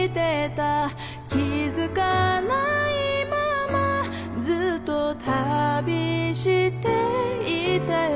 「気づかないままずっと旅していたよ」